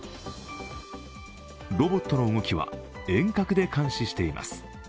ロボットの動きは遠隔で監視しています。